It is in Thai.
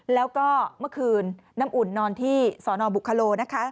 แล้วก็เมื่อคืนน้ำอุ่นนอนที่สอนอบุคโลนะคะ